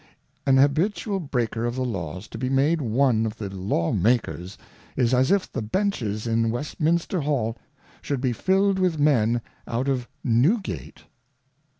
An habitual Breaker of the Laws, to be made one of the Law makers, is as if the Benches in Westminster hall should be filled with Men out of Newgate.